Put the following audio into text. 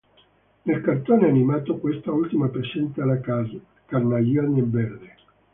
Nel cartone animato, quest'ultima presenta la carnagione verde.